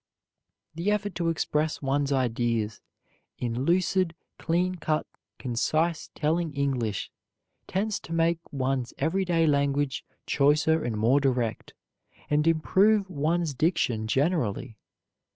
The effort to express one's ideas in lucid, clean cut, concise, telling English tends to make one's everyday language choicer and more direct, and improves one's diction generally.